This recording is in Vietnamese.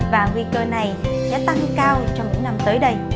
và nguy cơ này sẽ tăng cao trong những năm tới đây